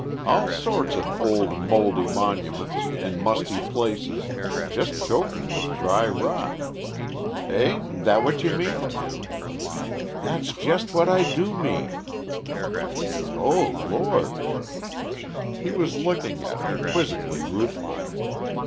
All sorts of old mouldy monuments, in musty places, just choking with dry rot. Eh? That what you mean?" "That's just what I do mean." "Oh Lord?" He was looking at her, quizzically ruthful.